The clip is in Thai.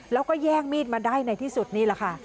แล้วก็แย่งมีดมาได้ในที่สุดนี่แหละค่ะ